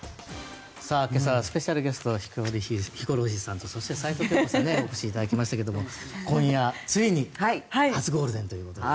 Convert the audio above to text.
今朝はスペシャルゲストヒコロヒーさんとそして齊藤京子さんにお越しいただきましたが今夜ついに初ゴールデンということで。